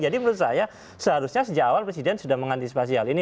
jadi menurut saya seharusnya sejak awal presiden sudah mengantisipasi hal ini